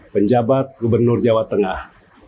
penjabat gubernur jawa tengah